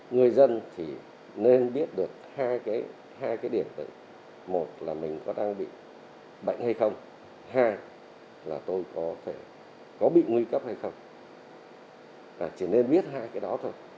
người dân thì nên biết được hai cái điểm tự một là mình có đang bị bệnh hay không hai là tôi có bị nguy cấp hay không chỉ nên biết hai cái đó thôi